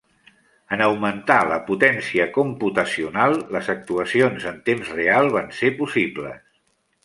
En augmentar la potència computacional, les actuacions en temps real van ser possibles.